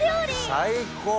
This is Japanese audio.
最高！